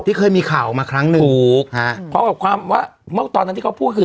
ที่เคยมีข่าวมาครั้งนึงถูกเพราะว่าเมื่อตอนนั้นที่เขาพูดคือ